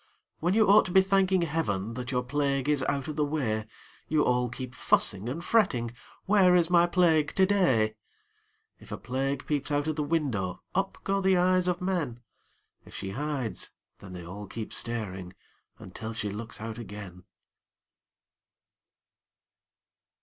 When you ought to be thanking Heaven That your plague is out of the way, You all keep fussing and fretting "Where is my Plague to day?" If a Plague peeps out of the window, Up go the eyes of men; If she hides, then they all keep staring Until she looks out again.